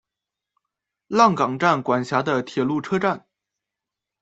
浪冈站管辖的铁路车站。